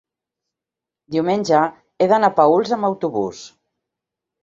diumenge he d'anar a Paüls amb autobús.